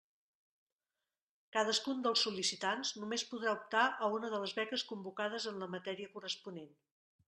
Cadascun dels sol·licitants només podrà optar a una de les beques convocades en la matèria corresponent.